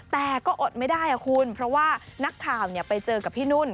แต่ก็อดไม่ได้คุณเพราะว่านักข่าวไปเจอกับพี่นุ่น